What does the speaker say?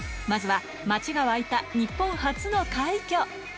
まずは、町が沸いた日本初の快挙。